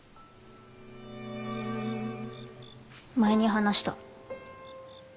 前に話した。